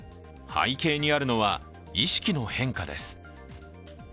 背景にあるのは、意識の変化です。